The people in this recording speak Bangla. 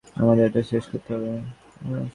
আমাদের এটা শেষ করতে হবে।